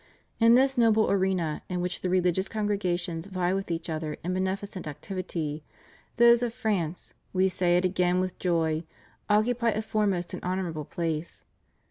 In this noble arena in which the rehgious congregations vie with each other in beneficent activity, those of France, We say it again with joy, occupy a foremost and honorable place.